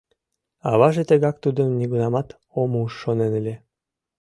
Аваже тегак тудым нигунамат ом уж шонен ыле.